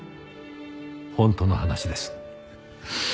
本当の話です。